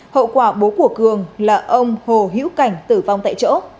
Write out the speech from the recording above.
hậu quả bố của cường là ông hồ hiễu cảnh tử vong tại chỗ